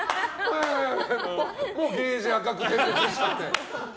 もうゲージが赤く点滅しちゃって。